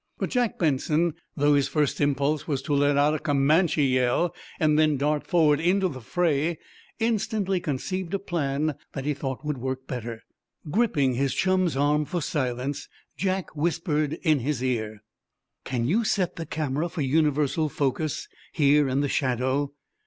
But Jack Benson, though his first impulse was to let out a Comanche yell, and then dart forward into the fray, instantly conceived a plan that he thought would work better. Gripping his chum's arm for silence, Jack whispered in his ear: "Can you set the camera for universal focus, here in the shadow?"